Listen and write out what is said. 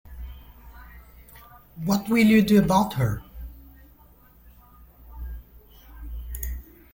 What will you do about her?